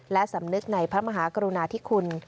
และสำนึกในพระมหากรุณาธิคุณ